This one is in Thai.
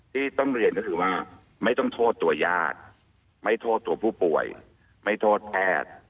ที่ต้องเรียนก็คือว่าไม่ต้องโทษตัวญาติไม่โทษตัวผู้ป่วยไม่โทษแพทย์